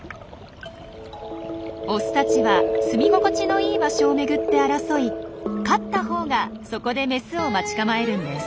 オスたちは住み心地のいい場所をめぐって争い勝ったほうがそこでメスを待ち構えるんです。